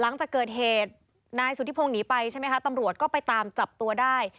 หลังจากเกิดเหตุนายสุธิพงศ์หนีไปใช่ไหมคะตำรวจก็ไปตามจับตัวได้